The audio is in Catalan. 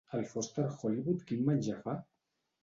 El Foster Hollywood quin menjar fa?